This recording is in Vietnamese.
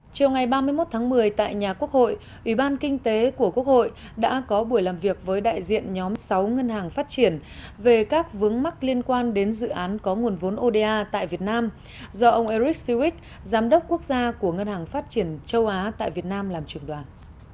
chiều ngày ba mươi một tháng một mươi tại nhà quốc hội ủy ban kinh tế của quốc hội đã có buổi làm việc với đại diện nhóm sáu ngân hàng phát triển về các vướng mắc liên quan đến dự án có nguồn vốn oda tại việt nam do ông erit siwick giám đốc quốc gia của ngân hàng phát triển châu á tại việt nam làm trưởng đoàn